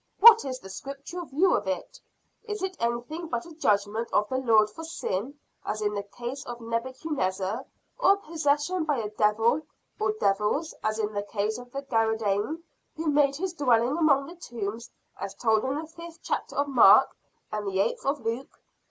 "What is the scriptural view of it? Is it anything but a judgment of the Lord for sin, as in the case of Nebuchadnezzar; or a possession by a devil, or devils, as in the Case of the Gadarene who made his dwelling among the tombs as told in the fifth chapter of Mark and the eighth of Luke?